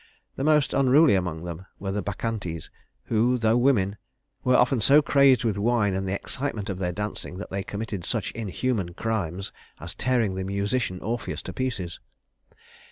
The most unruly among them were the Bacchantes, who, though women, were often so crazed with wine and the excitement of their dancing that they committed such inhuman crimes as tearing the musician Orpheus to pieces.